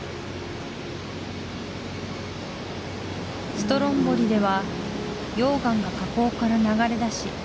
ストロンボリでは溶岩が火口から流れ出し